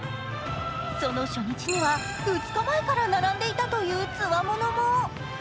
その初日には、２日前から並んでいたというつわものも。